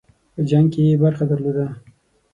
په جنګ کې یې برخه درلوده.